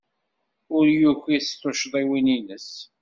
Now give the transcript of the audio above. Ur yuki s tuccḍiwin-nnes.